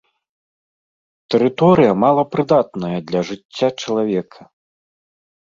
Тэрыторыя малапрыдатная для жыцця чалавека.